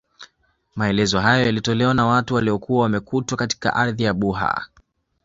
Maelezo hayo yalitolewa na watu waliokuwa wamekutwa katika ardhi ya Buha